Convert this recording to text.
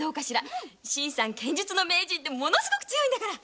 新さん剣術の名人でもの凄く強いんだから！